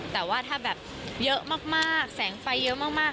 แต่ว่าถ้าแบบยังเยอะมาก